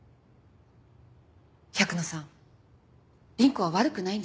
百野さん凛子は悪くないんです。